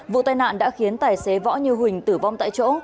vụ tai nạn đã khiến tài xế võ như huỳnh tử vong tại chỗ